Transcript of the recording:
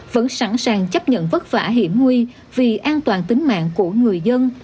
vẫn sẵn sàng chấp nhận vất vả hiểm nguy vì an toàn tính mạng của người dân